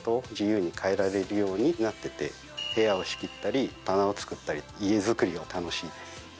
部屋を仕切ったり棚を作ったり家作りが楽しいです。